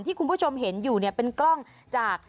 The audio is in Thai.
คุณผู้ชมเห็นอยู่เนี่ยเป็นกล้องจาก